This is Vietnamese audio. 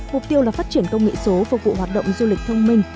mục tiêu là phát triển công nghệ số phục vụ hoạt động du lịch thông minh